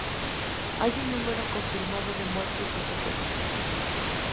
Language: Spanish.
Hay un número confirmado de muertes y otros heridos.